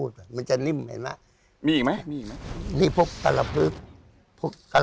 แต่ใบนี้จะหายาก